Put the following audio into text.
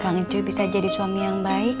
ngui bisa jadi suami yang baik